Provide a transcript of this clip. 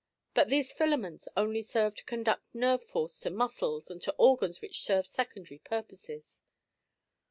But these filaments only serve to conduct nerve force to muscles and to organs which serve secondary purposes.